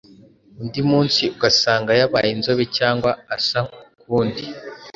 undi munsi ugasanga yabaye insobe cyangwa asa ukundi.